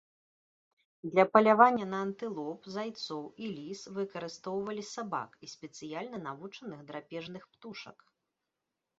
Для палявання на антылоп, зайцоў і ліс выкарыстоўвалі сабак і спецыяльна навучаных драпежных птушак.